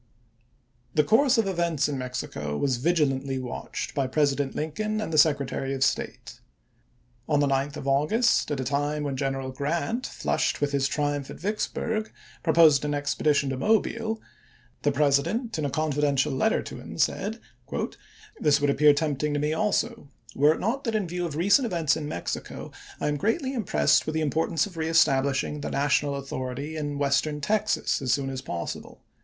The course of events in Mexico was vigilantly MAXIMILIAN 401 watched by President Lincoln and the Secretary of chap. xiv. State. On the 9th of August, at a time when Gen eral Grant, flushed with his triumph at Vicksburg, proposed an expedition to Mobile, the President in a confidential letter to him said :" This would appear tempting to me also, were it not that in view of recent events in Mexico I am greatly im pressed with the importance of reestablishing the national authority in Western Texas as soon as possible.